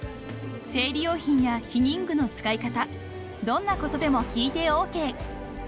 ［生理用品や避妊具の使い方どんなことでも聞いてＯＫ］